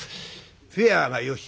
フェアが「よし」